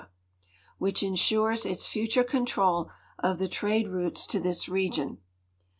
which insures its future control of the trade routes to this region.